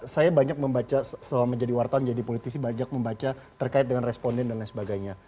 saya banyak membaca selama menjadi wartawan jadi politisi banyak membaca terkait dengan responden dan lain sebagainya